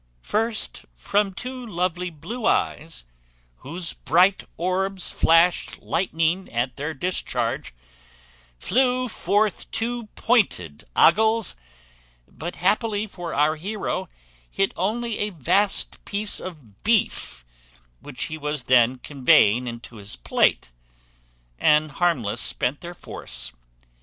"First, from two lovely blue eyes, whose bright orbs flashed lightning at their discharge, flew forth two pointed ogles; but, happily for our heroe, hit only a vast piece of beef which he was then conveying into his plate, and harmless spent their force.